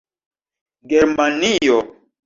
Germanio